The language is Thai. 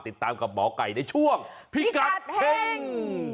ติดตามกับหมอไก่ในช่วงพิกัดเฮ่ง